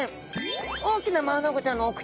大きなマアナゴちゃんのお口。